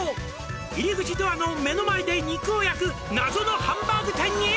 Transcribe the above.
「入り口ドアの目の前で肉を焼く」「謎のハンバーグ店に」